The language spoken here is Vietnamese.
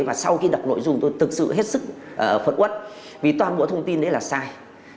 và sau khi đọc nội dung tôi thực sự hết sức phật ất vì toàn bộ thông tin đấy là sai